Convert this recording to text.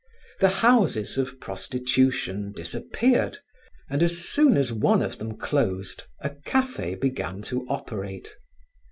The houses of prostitution disappeared, and as soon as one of them closed, a cafe began to operate.